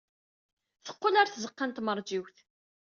Teqqel ɣer tzeɣɣa n tmeṛjiwt.